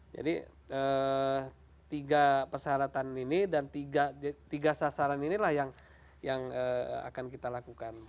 jadi tiga persyaratan ini dan tiga sasaran ini lah yang akan kita lakukan